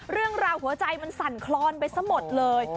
เรื่องราวหัวใจมันสั่นคลอนไปซะหมดเลย